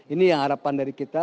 ini yang harapan dari kita